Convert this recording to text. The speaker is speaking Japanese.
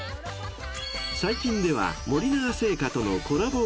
［最近では森永製菓とのコラボ